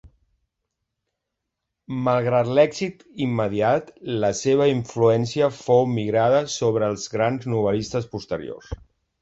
Malgrat l'èxit immediat, la seva influència fou migrada sobre els grans novel·listes posteriors.